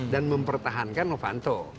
dan mempertahankan novanto